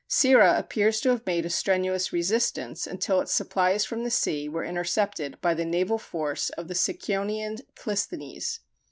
Cirrha appears to have made a strenuous resistance until its supplies from the sea were intercepted by the naval force of the Sicyonian Clisthenes.